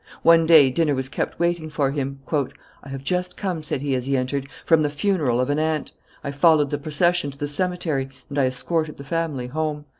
One day dinner was kept waiting for him. "I have just come," said he, as he entered, "from the funeral of an ant; I followed the procession to the cemetery, and I escorted the family home."